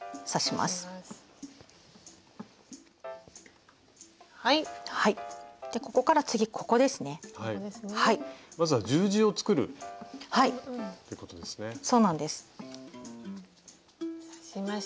まずは十字を作るってことですね。